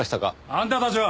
あんたたちは？